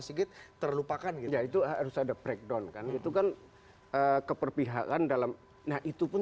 sigit terlupakan gitu ya itu harus ada breakdown kan itu kan keperpihakan dalam nah itu pun